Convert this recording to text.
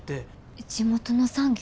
地元の産業。